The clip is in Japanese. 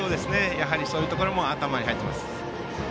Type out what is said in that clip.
そういうところも頭に入っています。